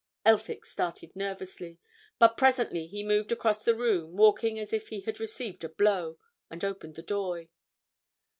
Elphick started nervously, but presently he moved across the room, walking as if he had received a blow, and opened the door.